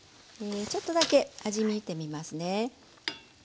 ちょっとだけ味見てみますね。